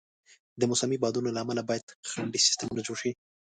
د موسمي بادونو له امله باید خنډي سیستمونه جوړ شي.